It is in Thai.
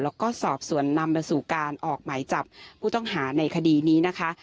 แล้วก็สอบส่วนนำมาสู่การออกหมายจับผู้ต้องหาในคดีนี้นะคะ